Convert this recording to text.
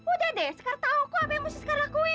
udah deh sekar tahu kok apa yang mesti sekar lakuin